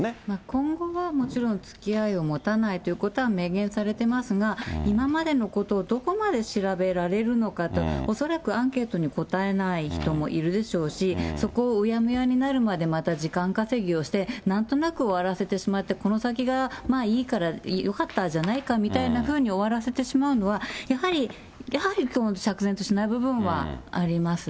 今後はもちろん、つきあいを持たないということは明言されてますが、今までのことをどこまで調べられるのかと、恐らくアンケートに答えない人もいるでしょうし、そこをうやむやになるまでまた時間稼ぎをして、なんとなく終わらせてしまって、この先がいいからよかったじゃないかみたいなふうに終わらせてしまうのは、やはり、やはり釈然としない部分はあります。